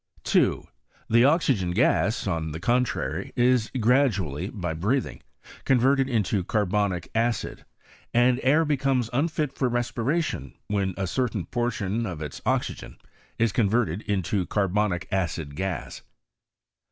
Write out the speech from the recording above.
2. The oxygen gas, on the contrary, is gradually, by breathing, converted into carbonic acid; and air liecomes unfit for respiration when a certain portion of its oxygen is converted into carbonic acid gas.